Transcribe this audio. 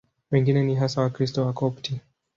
Wengine ni hasa Wakristo Wakopti.